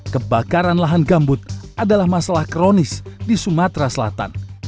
kebakaran lahan gambut adalah masalah kronis di sumatera selatan